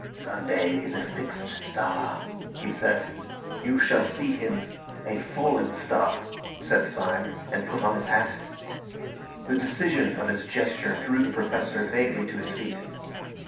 "Sunday is a fixed star," he said. "You shall see him a falling star," said Syme, and put on his hat. The decision of his gesture drew the Professor vaguely to his feet.